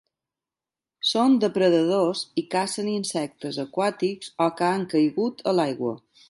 Són depredadors i cacen insectes aquàtics o que han caigut a l'aigua.